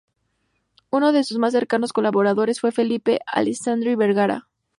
Uno de sus más cercanos colaboradores fue Felipe Alessandri Vergara.